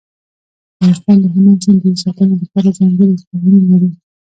افغانستان د هلمند سیند د ساتنې لپاره ځانګړي قوانین لري.